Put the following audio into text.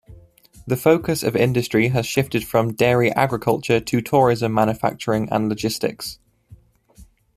The focus of industry has shifted from dairy agriculture to tourism, manufacturing and logistics.